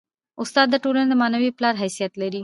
استاد د ټولني د معنوي پلار حیثیت لري.